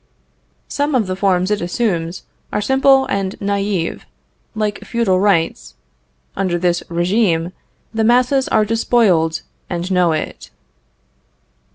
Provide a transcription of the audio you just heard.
Some of the forms it assumes are simple and naive, like feudal rights. Under this regime the masses are despoiled, and know it.